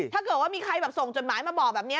ถ้าเกิดว่ามีใครแบบส่งจดหมายมาบอกแบบนี้